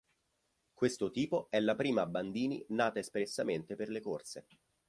Questo tipo è la prima Bandini nata espressamente per le corse.